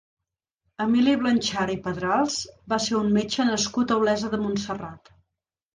Emili Blanxart i Pedrals va ser un metge nascut a Olesa de Montserrat.